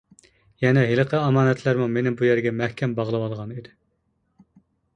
يەنە ھېلىقى ئامانەتلەرمۇ مېنى بۇ يەرگە مەھكەم باغلىۋالغان ئىدى.